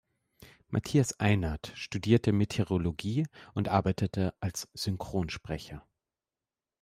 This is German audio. Mathias Einert studierte Meteorologie und arbeitete als Synchronsprecher.